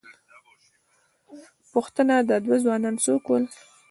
پوښتنه، دا دوه ځوانان څوک ول؟